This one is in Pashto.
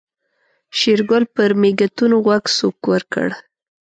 شېرګل پر مېږتون غوږ سوک ورکړ.